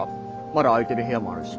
まだ空いてる部屋もあるし。